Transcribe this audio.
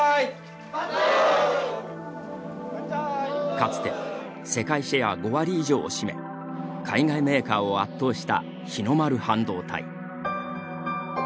かつて世界シェア５割以上を占め海外メーカーを圧倒した日の丸半導体。